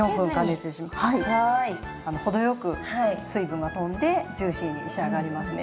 程よく水分がとんでジューシーに仕上がりますね。